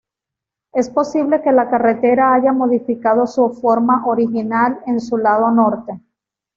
Es posible que la carretera haya modificado su forma original en su lado norte.